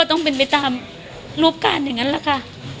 ก็ต้องเป็นไปตามรวบการอย่างนั้นล่ะค่ะ